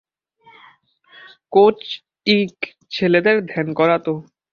Coach ইক ছেলেদের ধ্যান করাতো।